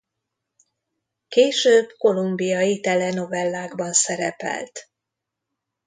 Később kolumbiai telenovellákban szerepelt.